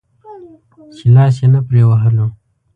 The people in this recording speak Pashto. چې لاس يې نه پرې وهلو.